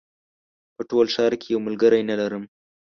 په ټول ښار کې یو ملګری نه لرم